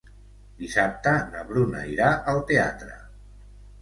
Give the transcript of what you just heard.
Dissabte na Bruna irà al teatre.